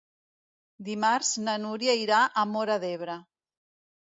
Dimarts na Núria irà a Móra d'Ebre.